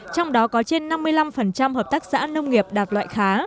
trong đó có trên năm mươi năm hợp tác xã nông nghiệp đạt loại khá